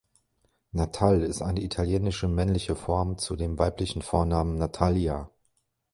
Natale ist eine italienische männliche Form zu dem weiblichen Vornamen Natalia.